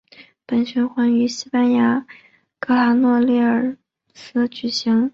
本循环于西班牙格拉诺列尔斯举行。